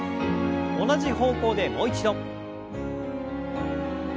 同じ方向でもう一度。